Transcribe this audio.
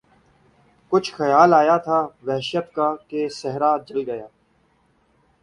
کچھ خیال آیا تھا وحشت کا کہ صحرا جل گیا